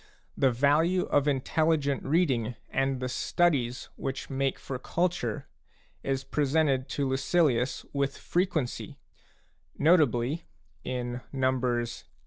The value of intelligent reading and the studies which make for culture is presented to Lucilius with frequency, notably in Nos.